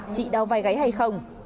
chị đau vai gáy hay không